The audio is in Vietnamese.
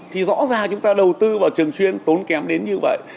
thì rõ ràng chúng ta đầu tư vào trường chuyên tốn kém đến như vậy